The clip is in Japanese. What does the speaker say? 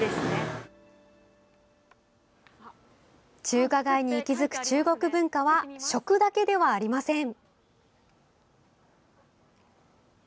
中華街に息づく中国文化は食だけではありません。